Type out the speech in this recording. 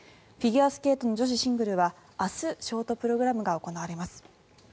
フィギュアスケートの女子シングルは明日、ショートプログラムが行われます。